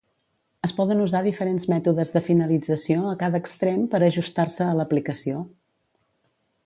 Es poden usar diferents mètodes de finalització a cada extrem per a ajustar-se a l'aplicació.